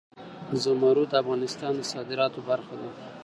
زمرد د افغانستان د صادراتو برخه ده.